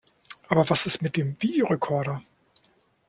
Aber was ist mit dem Videorekorder?